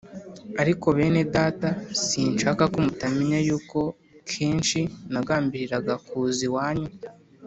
Ariko bene Data, sinshaka ko mutamenya yuko kenshi nagambiriraga kuza iwanyu